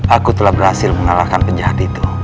aku telah berhasil mengalahkan penjahat itu